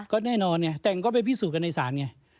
ก็แน่นอนไงแต่งก็ไปพิสูจนกันในศาลไง